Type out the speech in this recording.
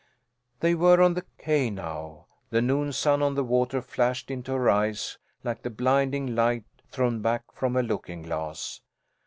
They were on the quay now. The noon sun on the water flashed into her eyes like the blinding light thrown back from a looking glass.